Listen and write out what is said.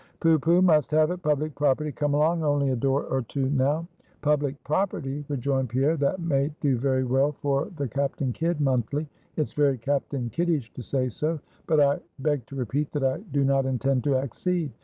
"Pooh, pooh must have it public property come along only a door or two now." "Public property!" rejoined Pierre, "that may do very well for the 'Captain Kidd Monthly;' it's very Captain Kiddish to say so. But I beg to repeat that I do not intend to accede."